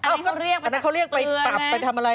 อันนั้นเขาเรียกไปปรับไปทำอะไร